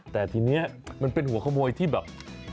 แต่ทีนี้มันเป็นหัวขโมยที่แบบ